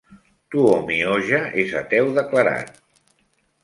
Tuomioja és ateu declarat.